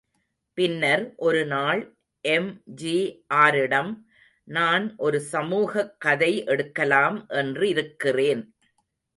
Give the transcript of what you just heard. பின்னர் ஒரு நாள் எம்.ஜி.ஆரிடம், நான் ஒரு சமூகக் கதை எடுக்கலாம் என்றிருக்கிறேன்.